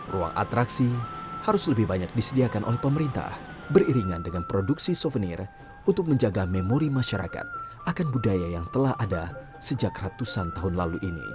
ruang atraksi harus lebih banyak disediakan oleh pemerintah beriringan dengan produksi souvenir untuk menjaga memori masyarakat akan budaya yang telah ada sejak ratusan tahun lalu ini